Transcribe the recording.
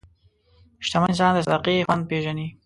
شتمن انسان د صدقې خوند پېژني.